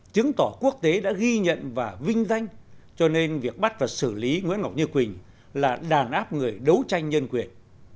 chứng tỏ quốc tế đã ghi nhận và vinh danh cho nên việc bắt và xử lý nguyễn ngọc như quỳnh là đàn áp người đấu tranh nhân quyền